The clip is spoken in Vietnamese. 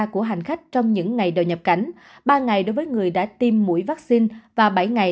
của hành khách trong những ngày đầu nhập cảnh ba ngày đối với người đã tiêm mũi vaccine và bảy ngày